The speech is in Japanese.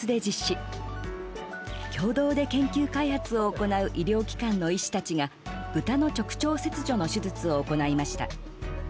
共同で研究開発を行う医療機関の医師たちが豚の直腸切除の手術を行いました。